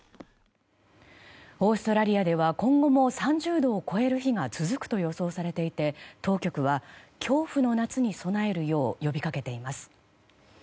オーストラリアでは今後も３０度を超える日が続くと予想されていて当局は恐怖の夏に備えるよう呼びかけています。